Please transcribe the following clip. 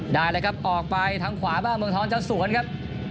ได้เลยครับออกไปทางขวาบ้างมึงทรวจ้อยศูนย์ครับ